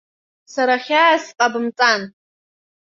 Сара хьаас сҟабымҵан.